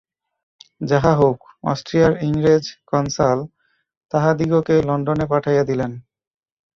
যাহা হউক, অস্ট্রিয়ার ইংরেজ কন্সাল তাহাদিগকে লণ্ডনে পাঠাইয়া দিলেন।